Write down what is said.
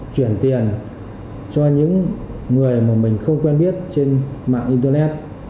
chuyển tiền cho những người mà mình không quen biết trên mạng internet